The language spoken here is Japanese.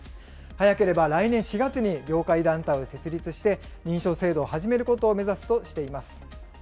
早ければ来年４月に、業界団体を設立して、認証制度を始めることを目指すとしています。